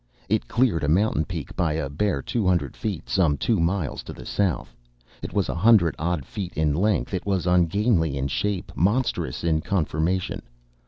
It cleared a mountain peak by a bare two hundred feet, some two miles to the south. It was a hundred odd feet in length. It was ungainly in shape, monstrous in conformation.